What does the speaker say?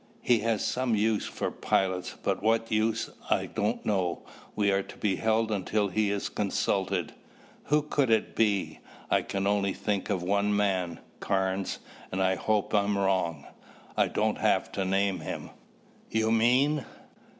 He has some use for pilots, but what use, I don't know. We are to be held until he is consulted." "Who could it be?" "I can only think of one man. Carnes, and I hope I'm wrong. I don't have to name him." "You mean